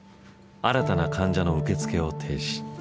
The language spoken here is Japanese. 新たな患者の受け付けを停止。